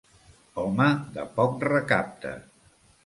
Home de poc recapte.